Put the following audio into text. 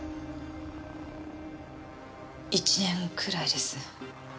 １年くらいです。